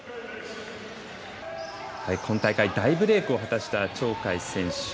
今大会、大ブレークを果たした鳥海選手。